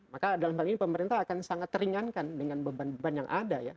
maka dalam hal ini pemerintah akan sangat teringankan dengan beban beban yang ada ya